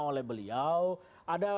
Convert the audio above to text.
oleh beliau ada